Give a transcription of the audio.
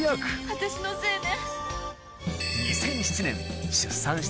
私のせいね。